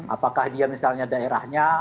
apakah dia misalnya daerahnya